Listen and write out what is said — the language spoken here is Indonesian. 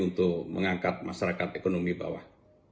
untuk mengangkat masyarakat ekonomi bawah